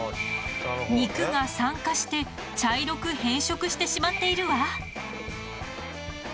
肉が酸化して茶色く変色してしまっているわ。